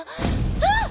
あっ！